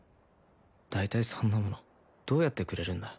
大体そんなものどうやってくれるんだ？